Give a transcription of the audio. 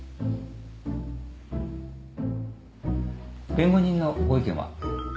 弁護人のご意見は？